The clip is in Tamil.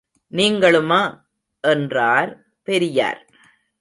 நீங்களுமா? என்றார் பெரியார்.